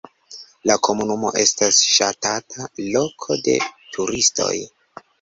La komunumo estas ŝatata loko de turistoj.